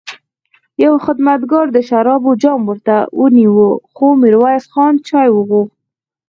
يوه خدمتګار د شرابو جام ورته ونيو، خو ميرويس خان چای وغوښت.